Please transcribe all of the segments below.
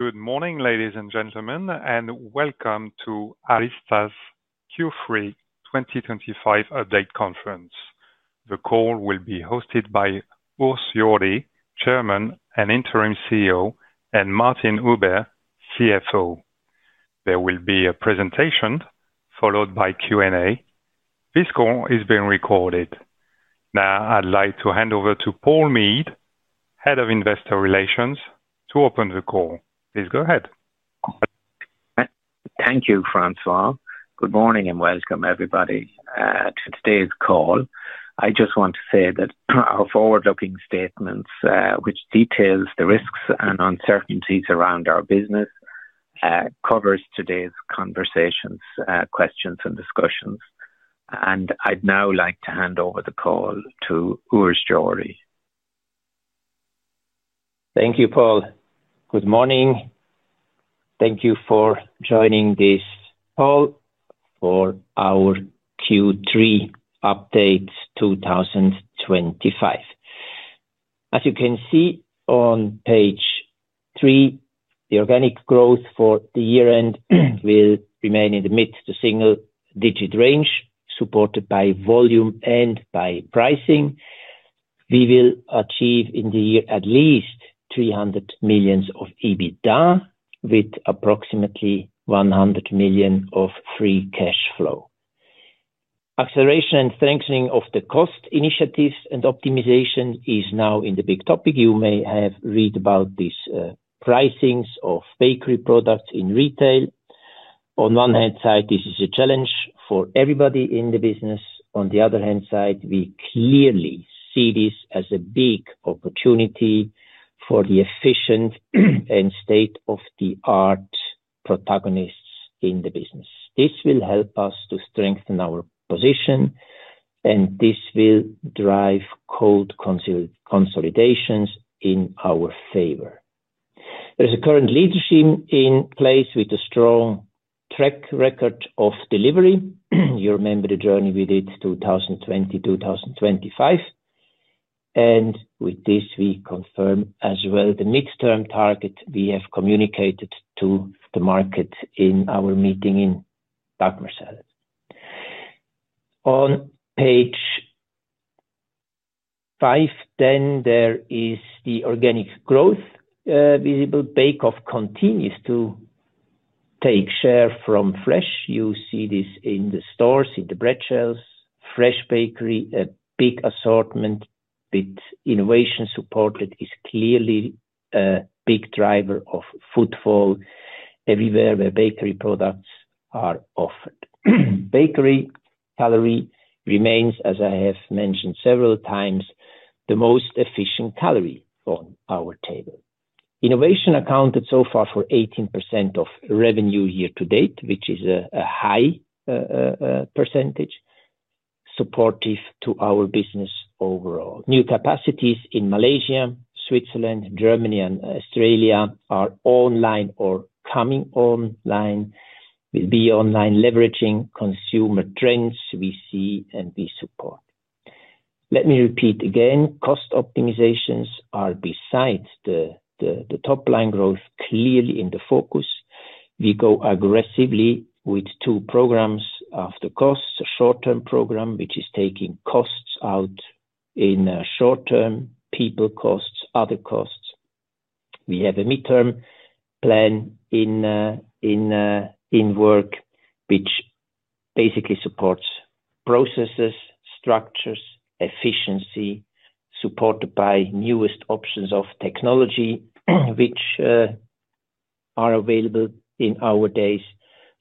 Good morning, ladies and gentlemen, and welcome to ARYZTA's Q3 2025 update conference. The call will be hosted by Urs Jordi, Chairman and Interim CEO, and Martin Huber, CFO. There will be a presentation followed by Q&A. This call is being recorded. Now, I'd like to hand over to Paul Meade, Head of Investor Relations, to open the call. Please go ahead. Thank you, Francois. Good morning and welcome, everybody, to today's call. I just want to say that our forward-looking statements, which detail the risks and uncertainties around our business, cover today's conversations, questions, and discussions. I'd now like to hand over the call to Urs Jordi. Thank you, Paul. Good morning. Thank you for joining this, Paul, for our Q3 updates 2025. As you can see on page three, the organic growth for the year-end will remain in the mid to single-digit range, supported by volume and by pricing. We will achieve in the year at least 300 million of EBITDA with approximately 100 million of free cash flow. Acceleration and strengthening of the cost initiatives and optimization is now in the big topic. You may have read about these pricings of bakery products in retail. On one hand side, this is a challenge for everybody in the business. On the other hand side, we clearly see this as a big opportunity for the efficient and state-of-the-art protagonists in the business. This will help us to strengthen our position, and this will drive cold consolidations in our favor. There is a current leadership in place with a strong track record of delivery. You remember the journey we did in 2020-2025. With this, we confirm as well the mid-term target we have communicated to the market in our meeting in Dagmersiel. On page five, there is the organic growth visible. Bake-off continues to take share from fresh. You see this in the stores, in the bread shelves, fresh bakery, a big assortment. Innovation supported is clearly a big driver of footfall everywhere where bakery products are offered. Bakery calorie remains, as I have mentioned several times, the most efficient calorie on our table. Innovation accounted so far for 18% of revenue year to date, which is a high percentage, supportive to our business overall. New capacities in Malaysia, Switzerland, Germany, and Australia are online or coming online. We'll be online leveraging consumer trends we see and we support. Let me repeat again, cost optimizations are besides the top line growth clearly in the focus. We go aggressively with two programs after costs, a short-term program which is taking costs out in short term, people costs, other costs. We have a mid-term plan in work which basically supports processes, structures, efficiency, supported by newest options of technology which are available in our days.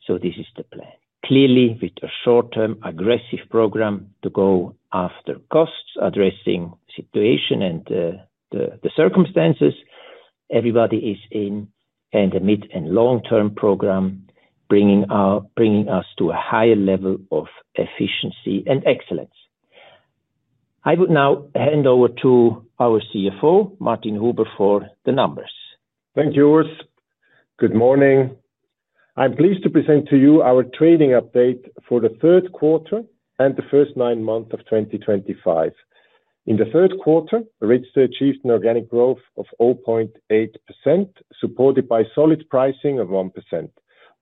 This is the plan. Clearly, with a short-term aggressive program to go after costs, addressing the situation and the circumstances, everybody is in the mid and long-term program, bringing us to a higher level of efficiency and excellence. I would now hand over to our CFO, Martin Huber, for the numbers. Thank you, Urs. Good morning. I'm pleased to present to you our trading update for the third quarter and the first nine months of 2025. In the third quarter, ARYZTA achieved an organic growth of 0.8%, supported by solid pricing of 1%.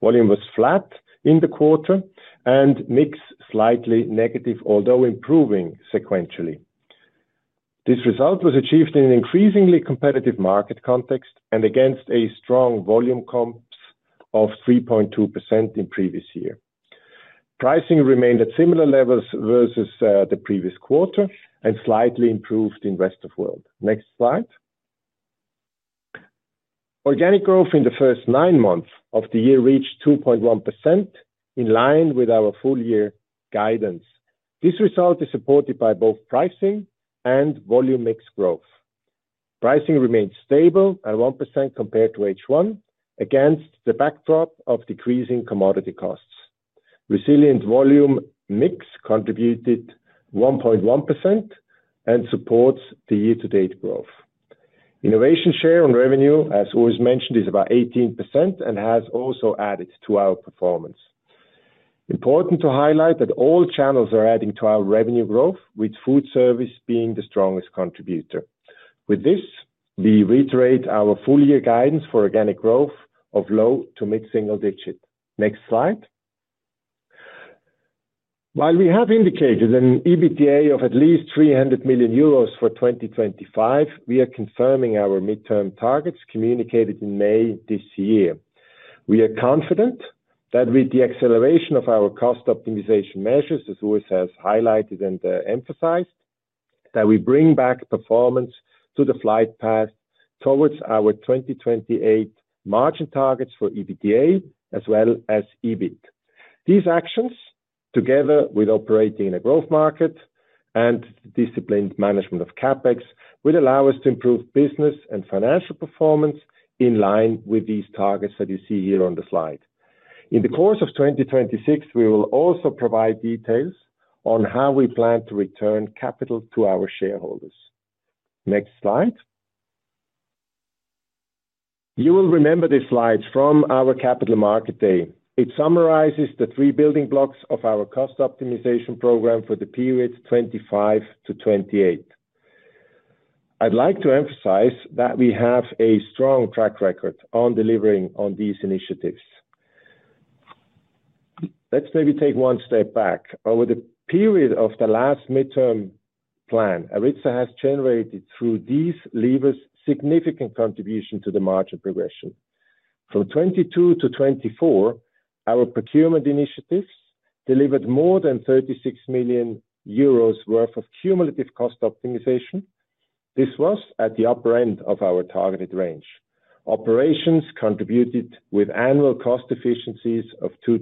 Volume was flat in the quarter and mix slightly negative, although improving sequentially. This result was achieved in an increasingly competitive market context and against a strong volume comps of 3.2% in the previous year. Pricing remained at similar levels versus the previous quarter and slightly improved in the rest of the world. Next slide. Organic growth in the first nine months of the year reached 2.1% in line with our full-year guidance. This result is supported by both pricing and volume mix growth. Pricing remains stable at 1% compared to H1 against the backdrop of decreasing commodity costs. Resilient volume mix contributed 1.1% and supports the year-to-date growth. Innovation share on revenue, as Urs mentioned, is about 18% and has also added to our performance. Important to highlight that all channels are adding to our revenue growth, with food service being the strongest contributor. With this, we reiterate our full-year guidance for organic growth of low to mid-single digit. Next slide. While we have indicated an EBITDA of at least 300 million euros for 2025, we are confirming our mid-term targets communicated in May this year. We are confident that with the acceleration of our cost optimization measures, as Urs has highlighted and emphasized, that we bring back performance to the flight path towards our 2028 margin targets for EBITDA as well as EBIT. These actions, together with operating in a growth market and disciplined management of CapEx, will allow us to improve business and financial performance in line with these targets that you see here on the slide. In the course of 2026, we will also provide details on how we plan to return capital to our shareholders. Next slide. You will remember this slide from our Capital Market Day. It summarizes the three building blocks of our cost optimization program for the period 2025 to 2028. I'd like to emphasize that we have a strong track record on delivering on these initiatives. Let's maybe take one step back. Over the period of the last mid-term plan, ARYZTA has generated through these levers significant contribution to the margin progression. From 2022 to 2024, our procurement initiatives delivered more than €36 million worth of cumulative cost optimization. This was at the upper end of our targeted range. Operations contributed with annual cost efficiencies of 2%-3%.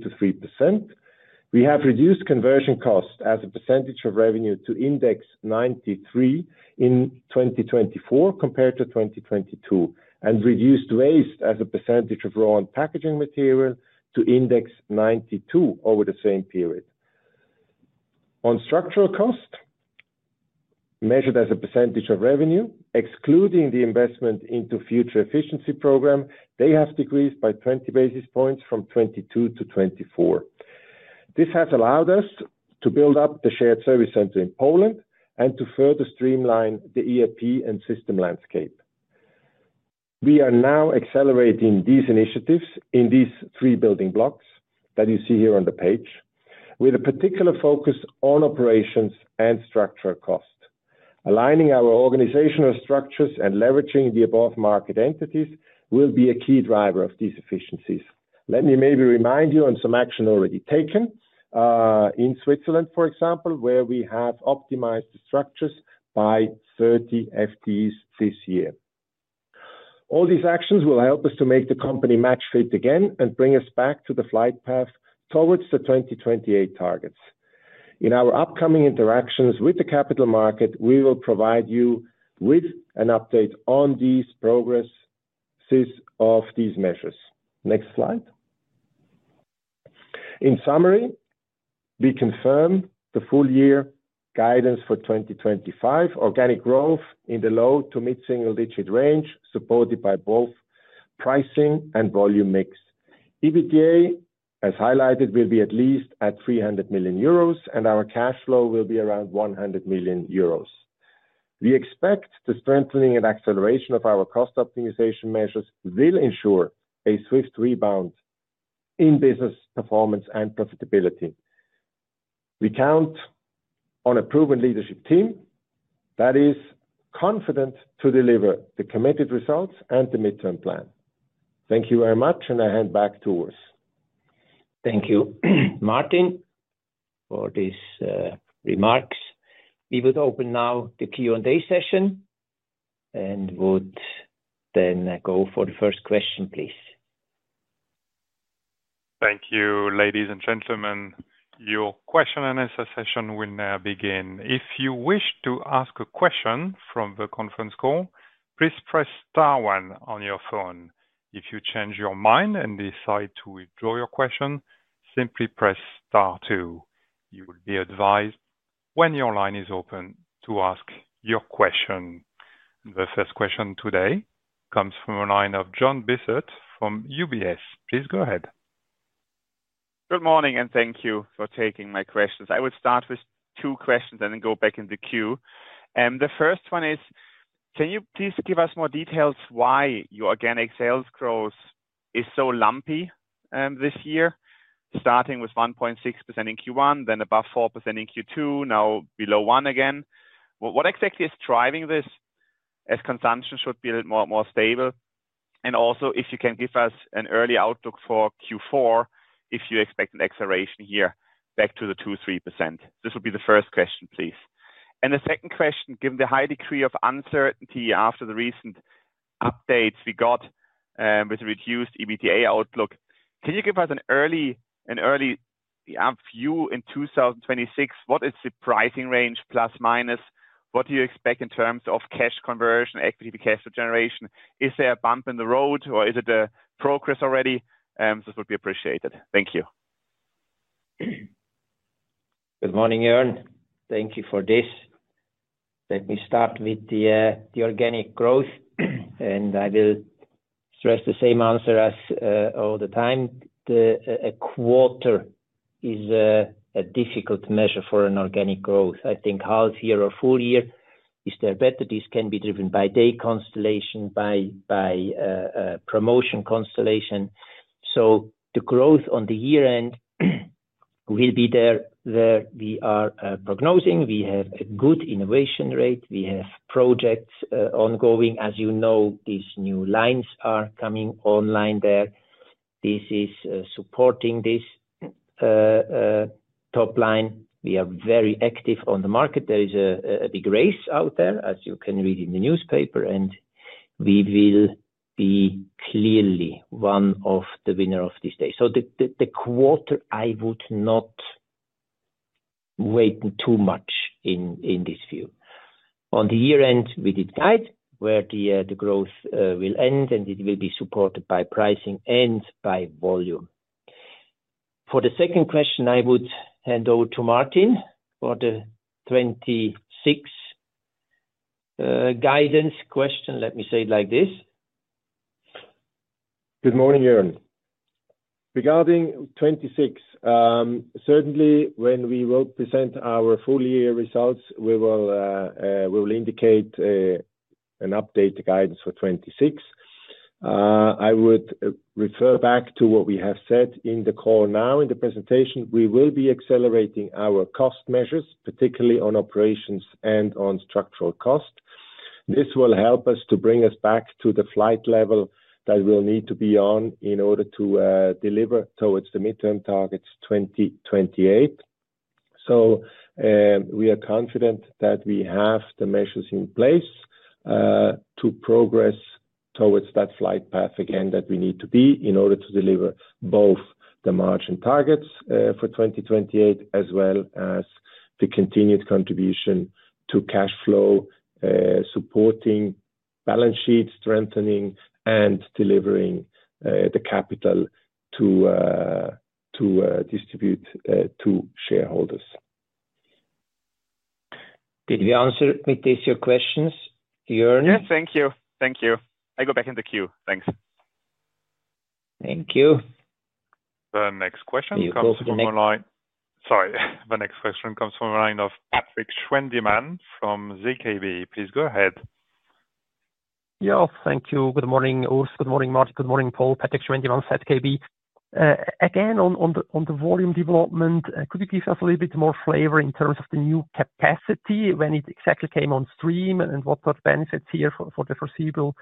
We have reduced conversion cost as a percentage of revenue to index 93 in 2024 compared to 2022 and reduced waste as a percentage of raw and packaging material to index 92 over the same period. On structural cost, measured as a percentage of revenue, excluding the investment into the future efficiency program, they have decreased by 20 basis points from 22 to 24. This has allowed us to build up the shared service center in Poland and to further streamline the ERP and system landscape. We are now accelerating these initiatives in these three building blocks that you see here on the page, with a particular focus on operations and structural cost. Aligning our organizational structures and leveraging the above market entities will be a key driver of these efficiencies. Let me maybe remind you on some action already taken, in Switzerland, for example, where we have optimized the structures by 30 FTEs this year. All these actions will help us to make the company match fit again and bring us back to the flight path towards the 2028 targets. In our upcoming interactions with the capital market, we will provide you with an update on these progresses of these measures. Next slide. In summary, we confirm the full-year guidance for 2025, organic growth in the low to mid-single-digit range, supported by both pricing and volume mix. EBITDA, as highlighted, will be at least at 300 million euros, and our cash flow will be around 100 million euros. We expect the strengthening and acceleration of our cost optimization measures will ensure a swift rebound in business performance and profitability. We count on a proven leadership team that is confident to deliver the committed results and the mid-term plan. Thank you very much, and I hand back to Urs. Thank you, Martin, for these remarks. We would now open the Q&A session and would then go for the first question, please. Thank you, ladies and gentlemen. Your question and answer session will now begin. If you wish to ask a question from the conference call, please press star one on your phone. If you change your mind and decide to withdraw your question, simply press star two. You will be advised when your line is open to ask your question. The first question today comes from a line of Jöhn Bissert from UBS. Please go ahead. Good morning, and thank you for taking my questions. I would start with two questions and then go back in the queue. The first one is, can you please give us more details why your organic sales growth is so lumpy this year, starting with 1.6% in Q1, then above 4% in Q2, now below 1% again? What exactly is driving this as consumption should be a little more stable? Also, if you can give us an early outlook for Q4, if you expect an acceleration here back to the 2%-3%. This will be the first question, please. The second question, given the high degree of uncertainty after the recent updates we got with the reduced EBITDA outlook, can you give us an early view in 2026? What is the pricing range, plus minus? What do you expect in terms of cash conversion, equity to cash flow generation? Is there a bump in the road or is it a progress already? This would be appreciated. Thank you. Good morning, Jörn. Thank you for this. Let me start with the organic growth, and I will stress the same answer as all the time. A quarter is a difficult measure for an organic growth. I think half year or full year is there better. This can be driven by day constellation, by promotion constellation. The growth on the year-end will be there where we are prognosing. We have a good innovation rate. We have projects ongoing. As you know, these new lines are coming online there. This is supporting this top line. We are very active on the market. There is a big race out there, as you can read in the newspaper, and we will be clearly one of the winners of this day. The quarter, I would not wait too much in this view. On the year-end, we did guide where the growth will end, and it will be supported by pricing and by volume. For the second question, I would hand over to Martin for the 2026 guidance question. Let me say it like this. Good morning, Jörn. Regarding 2026, certainly, when we will present our full-year results, we will indicate an updated guidance for 2026. I would refer back to what we have said in the call now in the presentation. We will be accelerating our cost measures, particularly on operations and on structural cost. This will help us to bring us back to the flight level that we'll need to be on in order to deliver towards the mid-term targets 2028. We are confident that we have the measures in place to progress towards that flight path again that we need to be in order to deliver both the margin targets for 2028 as well as the continued contribution to cash flow, supporting balance sheet strengthening, and delivering the capital to distribute to shareholders. Did we answer your questions, Jörn? Yes, thank you. I go back in the queue. Thanks. Thank you. The next question comes from Patrick Schwendimann from ZKB. Please go ahead. Yeah, thank you. Good morning, Urs. Good morning, Martin. Good morning, Paul. Patrick Schwendimann, ZKB. Again, on the volume development, could you give us a little bit more flavor in terms of the new capacity, when it exactly came on stream, and what are the benefits here for the foreseeable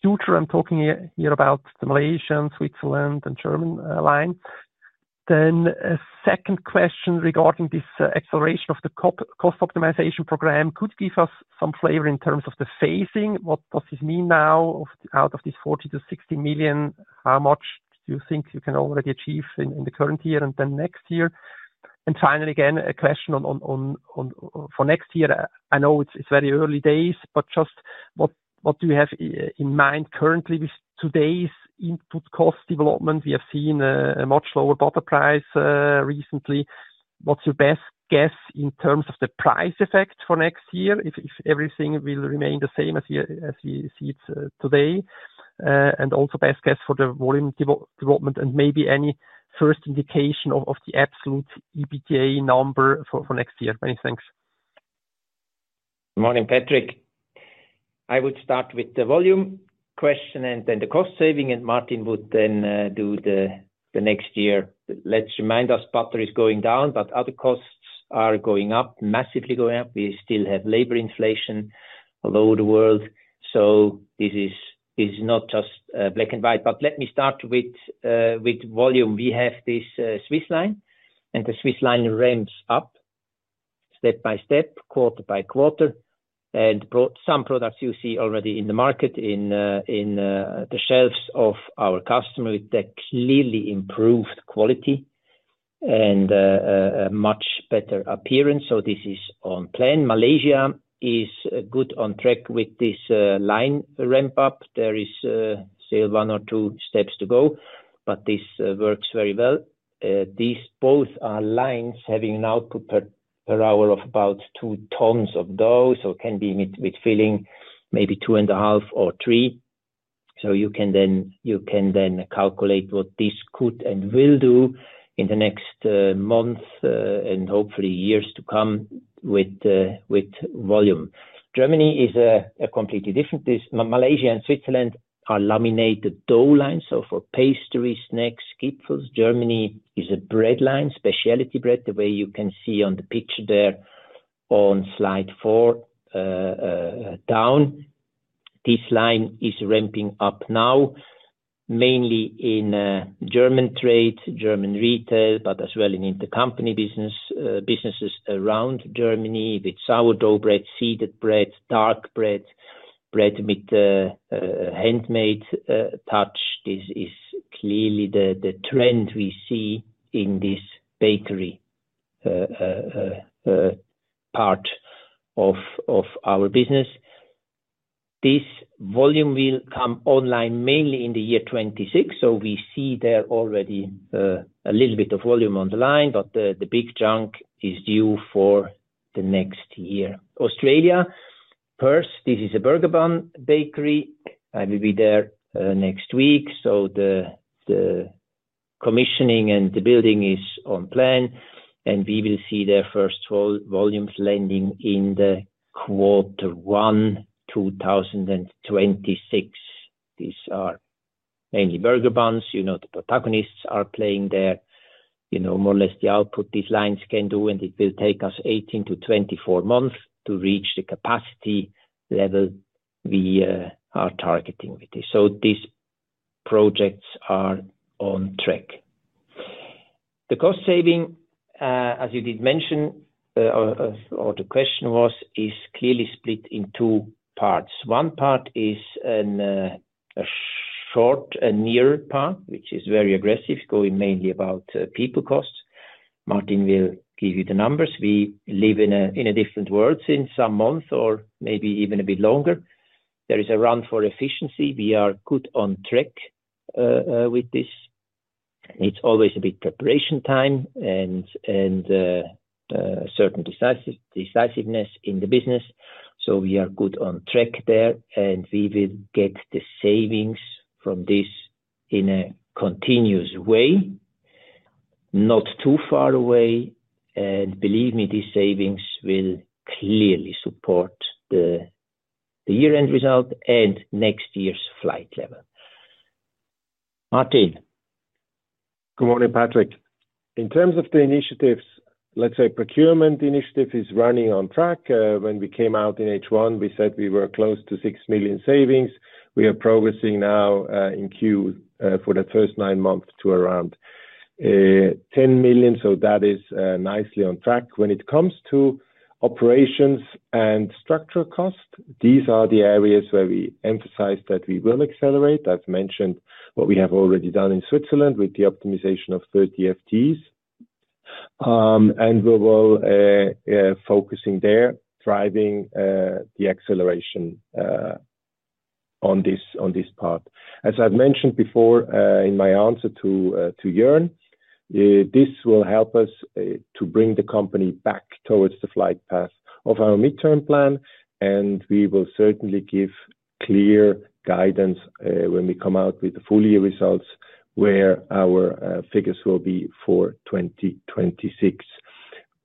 future? I'm talking here about the Malaysian, Switzerland, and German lines. A second question regarding this acceleration of the cost optimization program. Could you give us some flavor in terms of the phasing? What does this mean now out of this 40 million-60 million? How much do you think you can already achieve in the current year and then next year? Finally, again, a question for next year. I know it's very early days, but just what do you have in mind currently with today's input cost development? We have seen a much lower bottom price recently. What's your best guess in terms of the price effect for next year if everything will remain the same as we see it today? Also, best guess for the volume development and maybe any first indication of the absolute EBITDA number for next year. Many thanks. Morning, Patrick. I would start with the volume question and then the cost saving, and Martin would then do the next year. Let's remind us, butter is going down, but other costs are going up, massively going up. We still have labor inflation all over the world. This is not just black and white. Let me start with volume. We have this Swiss line, and the Swiss line ramps up step by step, quarter by quarter. Some products you see already in the market, in the shelves of our customers with the clearly improved quality and a much better appearance. This is on plan. Malaysia is good on track with this line ramp-up. There is still one or two steps to go, but this works very well. These both are lines having an output per hour of about two tons of dough, so it can be with filling maybe two and a half or three. You can then calculate what this could and will do in the next month and hopefully years to come with volume. Germany is completely different. Malaysia and Switzerland are laminated dough lines for pastries, snacks, kipfels. Germany is a bread line, specialty bread, the way you can see on the picture there on slide four down. This line is ramping up now, mainly in German trade, German retail, but as well in intercompany businesses around Germany with sourdough bread, seeded bread, dark bread, bread with a handmade touch. This is clearly the trend we see in this bakery part of our business. This volume will come online mainly in the year 2026. We see there already a little bit of volume on the line, but the big chunk is due for the next year. Australia, first, this is a burger bun bakery. I will be there next week. The commissioning and the building is on plan, and we will see their first volumes landing in quarter one, 2026. These are mainly burger buns. You know the protagonists are playing there. You know more or less the output these lines can do, and it will take us 18 to 24 months to reach the capacity level we are targeting with this. These projects are on track. The cost saving, as you did mention, or the question was, is clearly split in two parts. One part is a short and near path, which is very aggressive, going mainly about people costs. Martin will give you the numbers. We live in a different world in some months or maybe even a bit longer. There is a run for efficiency. We are good on track with this. It's always a bit preparation time and certain decisiveness in the business. We are good on track there, and we will get the savings from this in a continuous way, not too far away. Believe me, these savings will clearly support the year-end result and next year's flight level. Martin. Good morning, Patrick. In terms of the initiatives, let's say procurement initiative is running on track. When we came out in H1, we said we were close to 6 million savings. We are progressing now in Q3 for the first nine months to around 10 million. That is nicely on track. When it comes to operations and structural costs, these are the areas where we emphasize that we will accelerate. I've mentioned what we have already done in Switzerland with the optimization of 30 FTEs. We will focus there, driving the acceleration on this part. As I've mentioned before in my answer to Jörn, this will help us to bring the company back towards the flight path of our mid-term plan. We will certainly give clear guidance when we come out with the full-year results where our figures will be for 2026.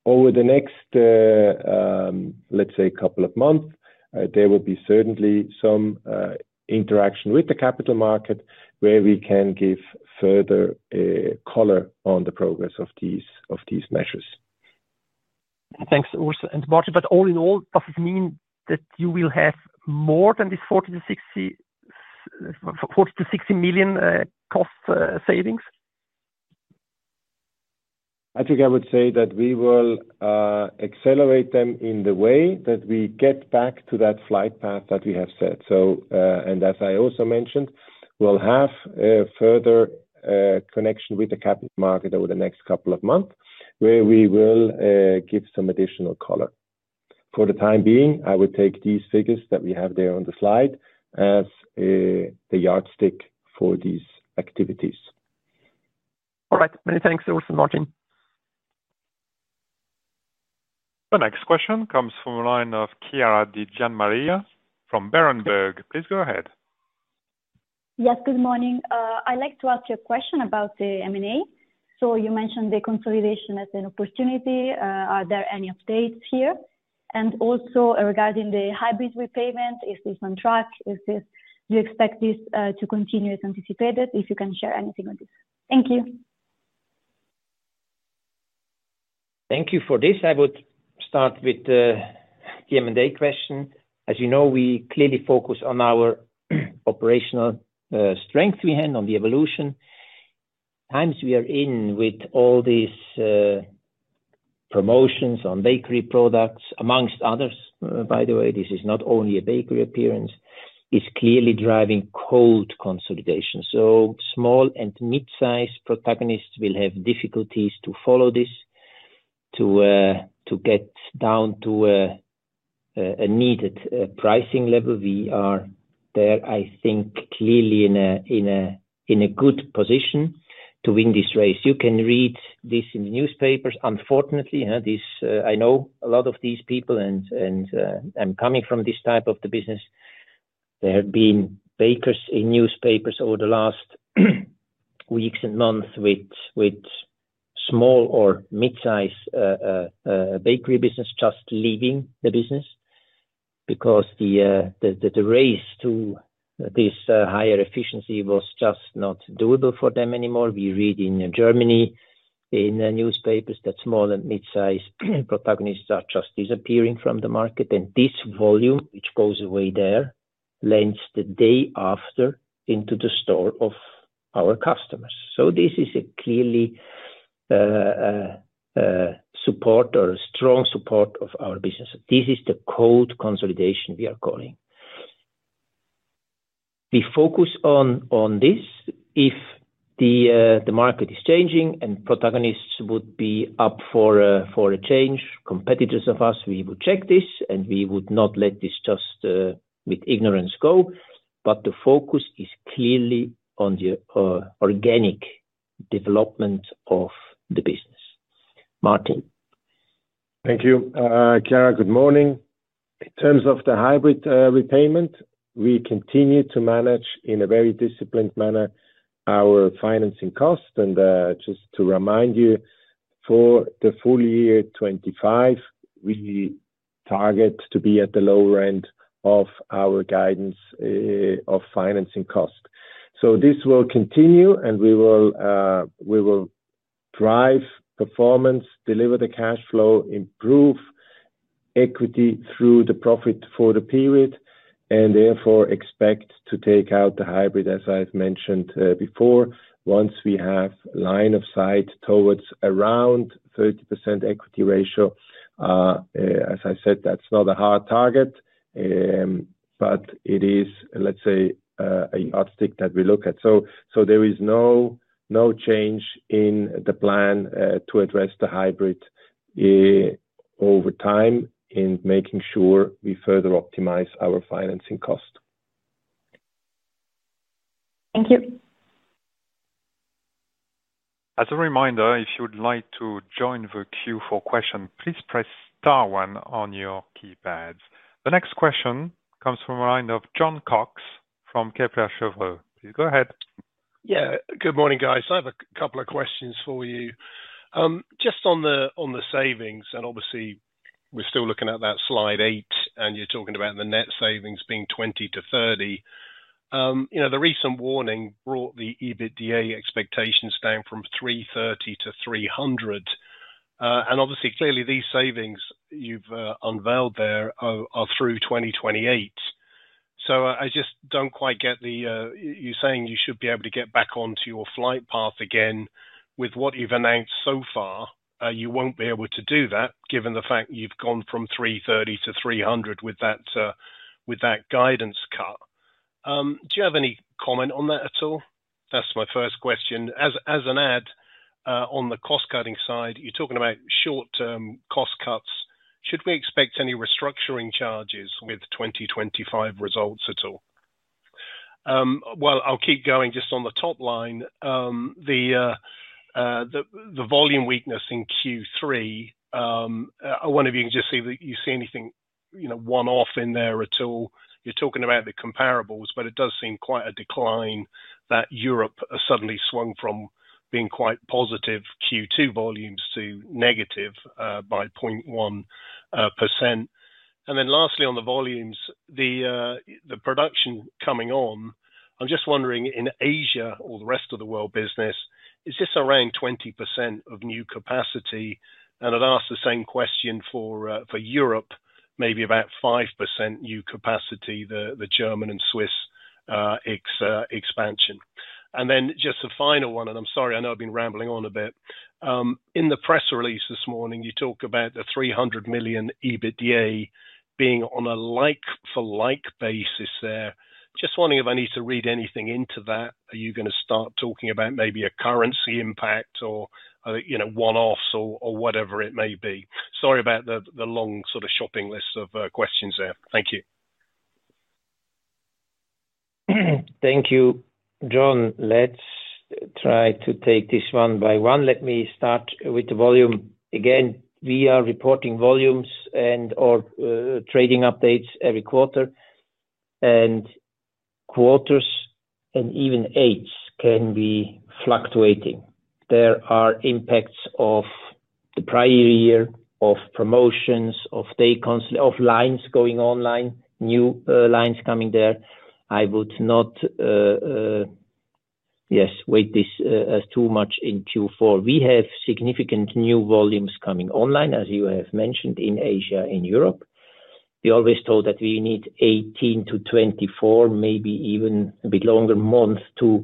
Over the next, let's say, a couple of months, there will be certainly some interaction with the capital market where we can give further color on the progress of these measures. Thanks, Urs and Martin. All in all, does it mean that you will have more than this 40 million-60 million cost savings? I think I would say that we will accelerate them in the way that we get back to that flight path that we have set. As I also mentioned, we'll have a further connection with the capital market over the next couple of months where we will give some additional color. For the time being, I would take these figures that we have there on the slide as the yardstick for these activities. All right. Many thanks, Urs and Martin. The next question comes from the line of Chiara di Giammaria from Berenberg. Please go ahead. Yes, good morning. I'd like to ask you a question about the M&A. You mentioned the consolidation as an opportunity. Are there any updates here? Also, regarding the hybrid repayment, is this on track? Do you expect this to continue as anticipated? If you can share anything on this. Thank you. Thank you for this. I would start with the M&A question. As you know, we clearly focus on our operational strength. We handle the evolution. Times we are in with all these promotions on bakery products, amongst others. By the way, this is not only a bakery appearance. It's clearly driving cold consolidation. Small and mid-sized protagonists will have difficulties to follow this, to get down to a needed pricing level. We are there, I think, clearly in a good position to win this race. You can read this in the newspapers. Unfortunately, I know a lot of these people, and I'm coming from this type of the business. There have been bakers in newspapers over the last weeks and months with small or mid-sized bakery businesses just leaving the business because the race to this higher efficiency was just not doable for them anymore. We read in Germany in the newspapers that small and mid-sized protagonists are just disappearing from the market. This volume, which goes away there, lands the day after into the store of our customers. This is a clearly support or a strong support of our business. This is the cold consolidation we are calling. We focus on this if the market is changing and protagonists would be up for a change, competitors of us. We would check this and we would not let this just with ignorance go. The focus is clearly on the organic development of the business. Martin. Thank you. Chiara, good morning. In terms of the hybrid repayment, we continue to manage in a very disciplined manner our financing costs. Just to remind you, for the full year 2025, we target to be at the lower end of our guidance of financing costs. This will continue and we will drive performance, deliver the cash flow, improve equity through the profit for the period, and therefore expect to take out the hybrid, as I've mentioned before, once we have a line of sight towards around 30% equity ratio. As I said, that's not a hard target, but it is, let's say, a yardstick that we look at. There is no change in the plan to address the hybrid over time in making sure we further optimize our financing cost. Thank you. As a reminder, if you would like to join the queue for questions, please press star one on your keypads. The next question comes from a line of John Cox from Kepler Cheuvreux. Please go ahead. Yeah, good morning, guys. I have a couple of questions for you. Just on the savings, and obviously, we're still looking at that slide eight, and you're talking about the net savings being 20-30. You know, the recent warning brought the EBITDA expectations down from 330 million-300 million. Obviously, clearly, these savings you've unveiled there are through 2028. I just don't quite get you saying you should be able to get back onto your flight path again. With what you've announced so far, you won't be able to do that given the fact you've gone from 330 million-300 million with that guidance cut. Do you have any comment on that at all? That's my first question. As an add on the cost cutting side, you're talking about short-term cost cuts. Should we expect any restructuring charges with 2025 results at all? I'll keep going just on the top line. The volume weakness in Q3, I wonder if you can just see that you see anything one-off in there at all. You're talking about the comparables, but it does seem quite a decline that Europe has suddenly swung from being quite positive Q2 volumes to negative by 0.1%. Lastly, on the volumes, the production coming on, I'm just wondering, in Asia or the rest of the world business, is this around 20% of new capacity? I'd ask the same question for Europe, maybe about 5% new capacity, the German and Swiss expansion. Just the final one, and I'm sorry, I know I've been rambling on a bit. In the press release this morning, you talk about the 300 million EBITDA being on a like-for-like basis there. Just wondering if I need to read anything into that. Are you going to start talking about maybe a currency impact or one-offs or whatever it may be? Sorry about the long sort of shopping list of questions there. Thank you. Thank you, John. Let's try to take this one by one. Let me start with the volume. Again, we are reporting volumes and/or trading updates every quarter. Quarters and even eights can be fluctuating. There are impacts of the prior year, of promotions, of lines going online, new lines coming there. I would not, yes, weight this as too much in Q4. We have significant new volumes coming online, as you have mentioned, in Asia and Europe. We always told that we need 18-24, maybe even a bit longer month to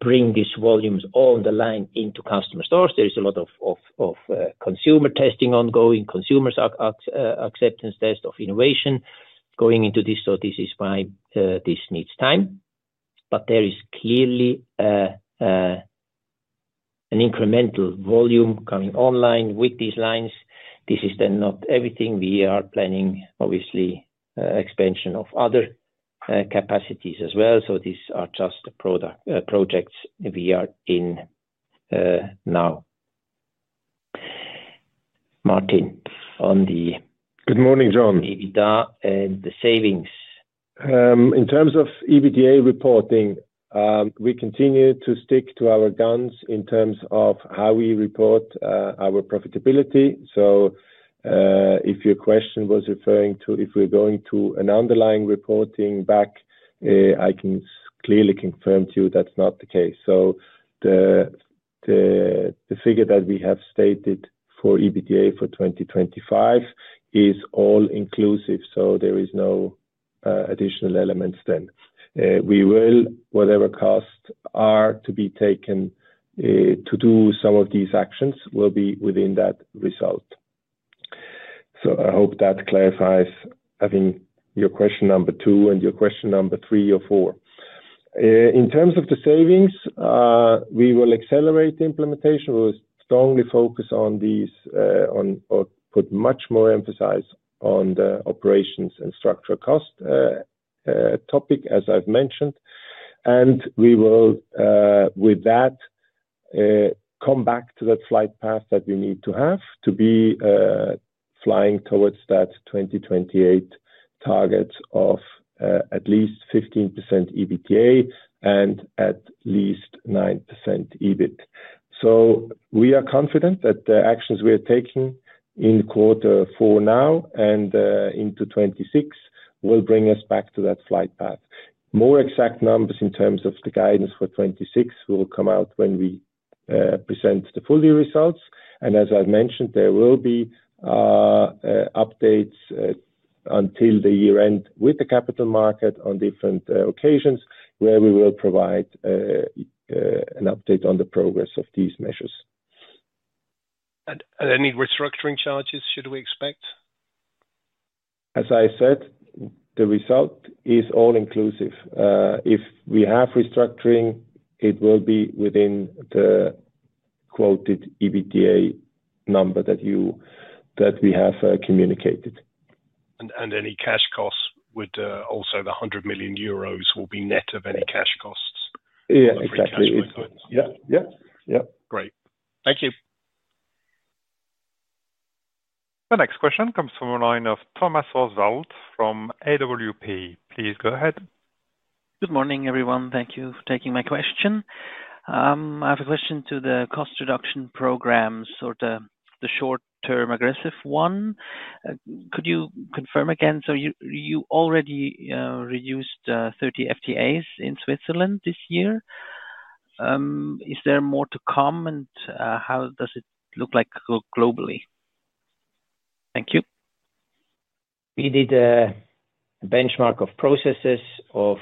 bring these volumes on the line into customer stores. There is a lot of consumer testing ongoing, consumer acceptance tests of innovation going into this, so this is why this needs time. There is clearly an incremental volume coming online with these lines. This is not everything. We are planning, obviously, expansion of other capacities as well. These are just the projects we are in now. Martin on the. Good morning, John. EBITDA and the savings. In terms of EBITDA reporting, we continue to stick to our guns in terms of how we report our profitability. If your question was referring to if we're going to an underlying reporting back, I can clearly confirm to you that's not the case. The figure that we have stated for EBITDA for 2025 is all inclusive. There are no additional elements then. Whatever costs are to be taken to do some of these actions will be within that result. I hope that clarifies, having your question number two and your question number three or four. In terms of the savings, we will accelerate the implementation. We will strongly focus on these and put much more emphasis on the operations and structural cost topic, as I've mentioned. We will, with that, come back to that flight path that we need to have to be flying towards that 2028 targets of at least 15% EBITDA and at least 9% EBIT. We are confident that the actions we are taking in quarter four now and into 2026 will bring us back to that flight path. More exact numbers in terms of the guidance for 2026 will come out when we present the full-year results. As I've mentioned, there will be updates until the year-end with the capital market on different occasions where we will provide an update on the progress of these measures. Should we expect any restructuring charges? As I said, the result is all inclusive. If we have restructuring, it will be within the quoted EBITDA number that we have communicated. Any cash costs would also, the 100 million euros will be net of any cash costs. Yeah, exactly. Great. Thank you. The next question comes from a line of Thomas Oswald from AWP. Please go ahead. Good morning, everyone. Thank you for taking my question. I have a question to the cost reduction programs, the short-term aggressive one. Could you confirm again? You already reduced 30 FTEs in Switzerland this year. Is there more to come and how does it look like globally? Thank you. We did a benchmark of processes of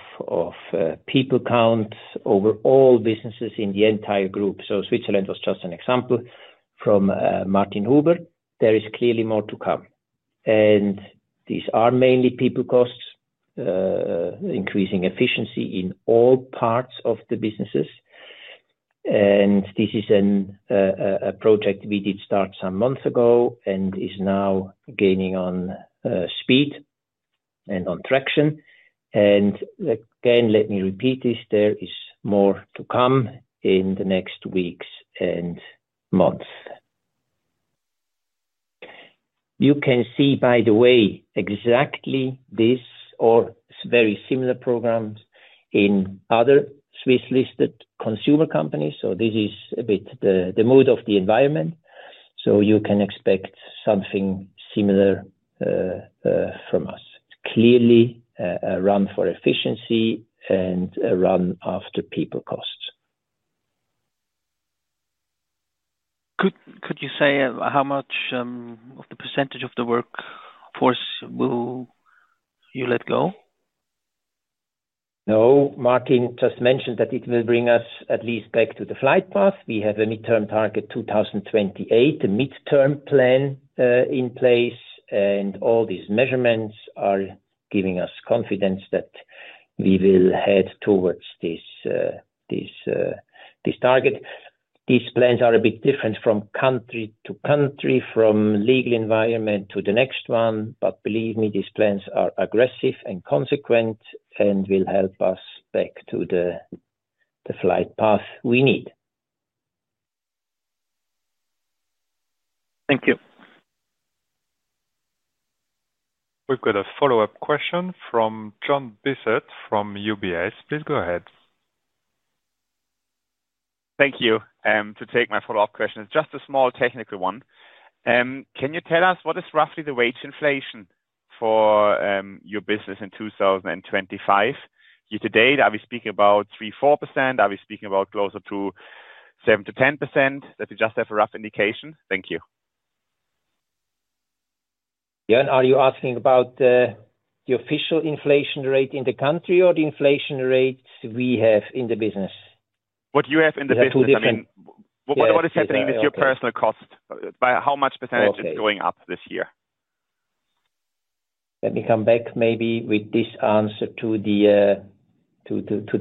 people count over all businesses in the entire group. Switzerland was just an example from Martin Huber. There is clearly more to come. These are mainly people costs, increasing efficiency in all parts of the businesses. This is a project we did start some months ago and is now gaining on speed and on traction. Let me repeat this. There is more to come in the next weeks and months. You can see, by the way, exactly this or very similar programs in other Swiss-listed consumer companies. This is a bit the mood of the environment. You can expect something similar from us. Clearly, a run for efficiency and a run after people costs. Could you say how much of the of the workforce will you let go? No, Martin just mentioned that it will bring us at least back to the flight path. We have a mid-term target 2028, a mid-term plan in place, and all these measurements are giving us confidence that we will head towards this target. These plans are a bit different from country to country, from legal environment to the next one. Believe me, these plans are aggressive and consequent and will help us back to the flight path we need. Thank you. We've got a follow-up question from Jöhn Bissert from UBS. Please go ahead. Thank you. To take my follow-up question, it's just a small technical one. Can you tell us what is roughly the wage inflation for your business in 2025? You today, are we speaking about 3%-4%? Are we speaking about closer to 7%-10%? That we just have a rough indication. Thank you. Are you asking about the official inflation rate in the country or the inflation rates we have in the business? What you have in the business, I mean. What is happening with your personnel costs? By how much percentage is it going up this year? Let me come back maybe with this answer to the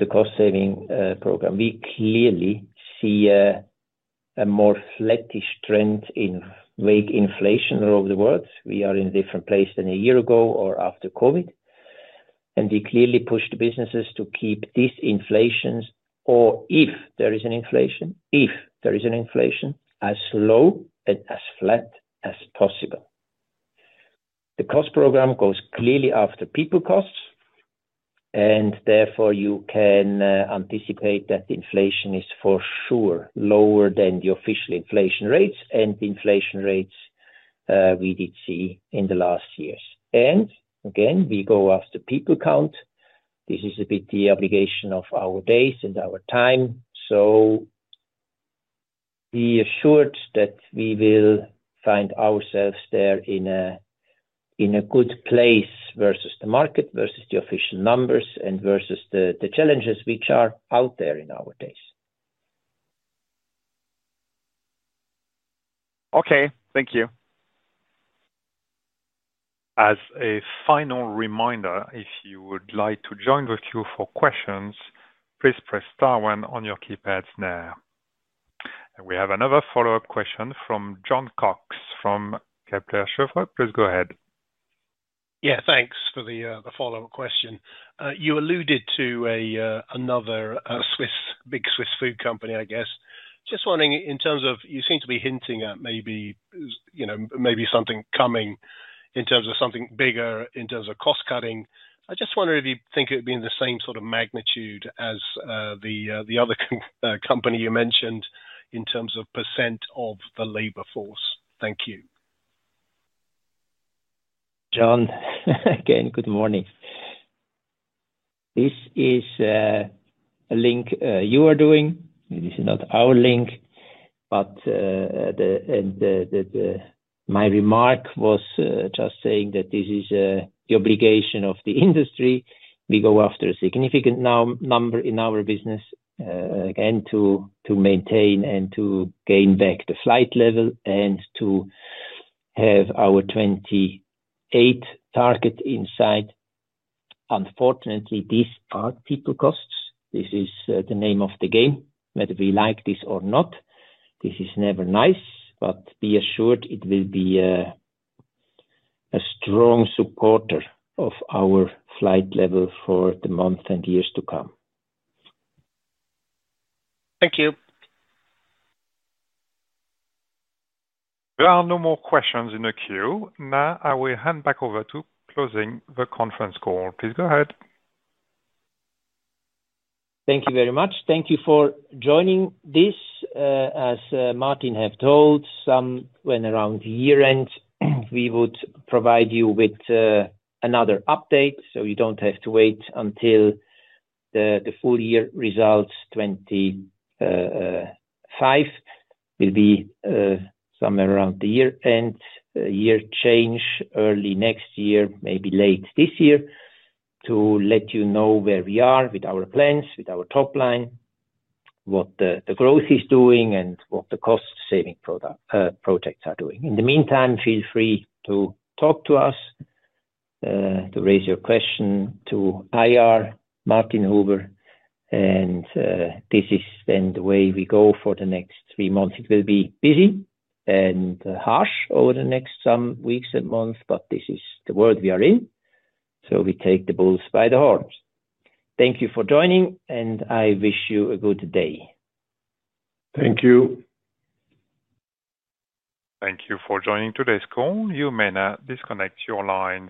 cost-saving program. We clearly see a more flattish trend in wage inflation around the world. We are in a different place than a year ago or after COVID. We clearly push the businesses to keep these inflations, or if there is an inflation, as low and as flat as possible. The cost program goes clearly after people costs. Therefore, you can anticipate that inflation is for sure lower than the official inflation rates and the inflation rates we did see in the last years. Again, we go after people count. This is a bit the obligation of our days and our time. Be assured that we will find ourselves there in a good place versus the market, versus the official numbers, and versus the challenges which are out there in our days. Okay, thank you. As a final reminder, if you would like to join the queue for questions, please press star one on your keypads now. We have another follow-up question from John Cox from Kepler Cheuvreux. Please go ahead. Yeah, thanks for the follow-up question. You alluded to another big Swiss food company, I guess. Just wondering, in terms of you seem to be hinting at maybe something coming in terms of something bigger, in terms of cost cutting. I just wonder if you think it would be in the same sort of magnitude as the other company you mentioned in terms of percent of the labor force. Thank you. John, again, good morning. This is a link you are doing. This is not our link. My remark was just saying that this is the obligation of the industry. We go after a significant number in our business, again, to maintain and to gain back the flight level and to have our 2028 target in sight. Unfortunately, these are people costs. This is the name of the game. Whether we like this or not, this is never nice, but be assured it will be a strong supporter of our flight level for the months and years to come. Thank you. There are no more questions in the queue. Now, I will hand back over to closing the conference call. Please go ahead. Thank you very much. Thank you for joining this. As Martin Huber has told, somewhere around the year-end, we would provide you with another update so you don't have to wait until the full-year results 2025. We'll be somewhere around the year-end, year change, early next year, maybe late this year, to let you know where we are with our plans, with our top line, what the growth is doing, and what the cost-saving projects are doing. In the meantime, feel free to talk to us, to raise your question, to hire Martin Huber. This is then the way we go for the next three months. It will be busy and harsh over the next some weeks and months, but this is the world we are in. We take the bulls by the horns. Thank you for joining, and I wish you a good day. Thank you. Thank you for joining today's call. You may now disconnect your lines.